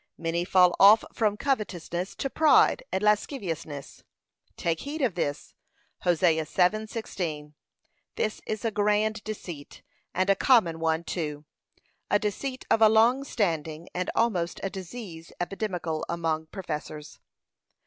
Many fall off from covetousness to pride and lasciviousness: take heed of this. (Hosea 7:16) This is a grand deceit, and a common one too, a deceit of a long standing, and almost a disease epidemical among professors.